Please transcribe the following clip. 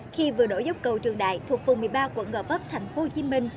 khi vừa đổ dốc cầu trường đại thuộc phùng một mươi ba quận gò vấp tp hcm